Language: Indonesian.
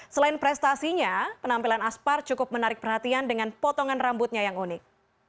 selain prestasinya penampilan aspar cukup menarik perhatian dengan potongan rambutnya yang unik